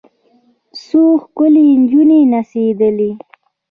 څو ښکلې نجونې نڅېدلې.